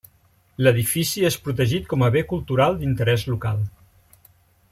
L'edifici és protegit com a bé cultural d'interès local.